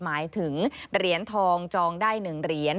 หมายถึงเหรียญทองจองได้๑เหรียญ